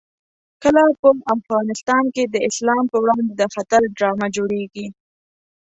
کله په افغانستان کې د اسلام په وړاندې د خطر ډرامه جوړېږي.